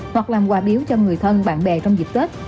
hoặc làm quà biếu cho người thân bạn bè trong dịp tết